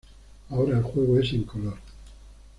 Ahora el juego es en color.